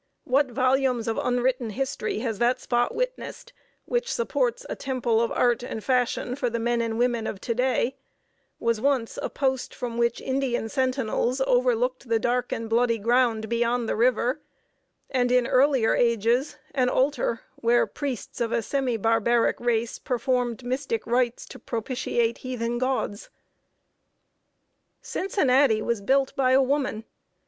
What volumes of unwritten history has that spot witnessed, which supports a temple of art and fashion for the men and women of to day, was once a post from which Indian sentinels overlooked the "dark and bloody ground" beyond the river, and, in earlier ages, an altar where priests of a semi barbaric race performed mystic rites to propitiate heathen gods! [Sidenote: A CITY FOUNDED BY A WOMAN.] Cincinnati was built by a woman.